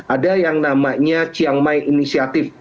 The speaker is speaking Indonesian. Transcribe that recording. ada yang namanya chiang mai initiative